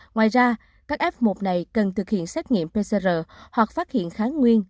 ngoài ra các f một này cần thực hiện xét nghiệm pcr hoặc phát hiện kháng nguyên